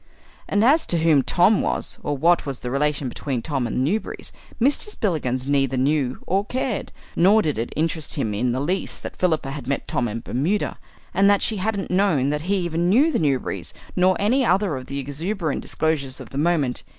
And as to who Tom was, or what was the relation between Tom and the Newberrys, Mr. Spillikins neither knew or cared; nor did it interest him in the least that Philippa had met Tom in Bermuda, and that she hadn't known that he even knew the Newberry's nor any other of the exuberant disclosures of the moment.